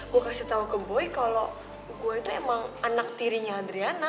gue kasih tau ke boy kalau gue itu emang anak tirinya adriana